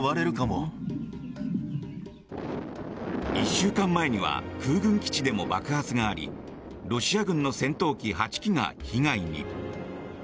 １週間前には空軍基地でも爆発がありロシア軍の戦闘機８機が被害に。